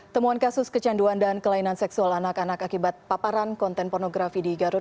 temuan kasus kecanduan dan kelainan seksual anak anak akibat paparan konten pornografi di garut